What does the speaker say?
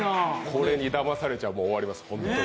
これにだまされちゃ終わります。